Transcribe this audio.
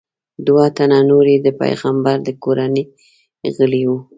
دوه تنه نور یې د پیغمبر د کورنۍ غړي وو.